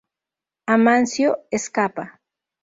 Amancio Escapa.